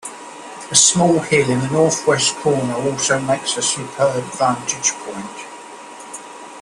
A small hill in the north-west corner also makes a superb vantage point.